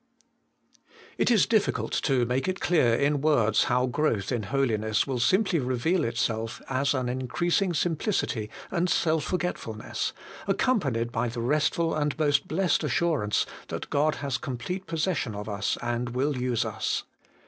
1. It is difficult to make it clear In words how growth in holiness will simply reveal itself as an increasing simplicity and self forgetful ness, accompanied by the restful and most blessed assurance that God has complete possession of us and will use us.